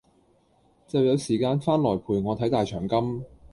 就有時間翻來陪我睇大長今